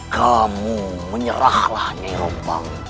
kamu menyerahlah nyirumpang